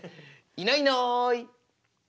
いないいない。